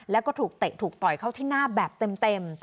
แล้วก็ถูกเตะถูกต่อยเข้าที่หน้าแบบเต็ม